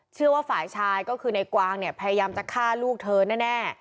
เชื่อว่าฝ่ายชายก็คือในกวางเนี่ยพยายามจะฆ่าลูกเธอแน่